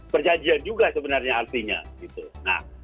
perjanjian juga sebenarnya artinya gitu